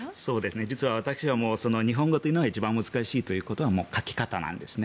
実は私は日本語というのは一番難しいというのは書き方なんですね。